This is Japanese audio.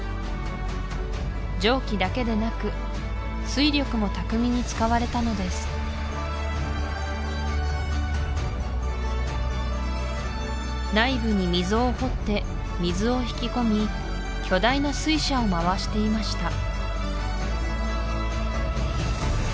蒸気だけでなく水力も巧みに使われたのです内部に溝を掘って水を引き込み巨大な水車を回していました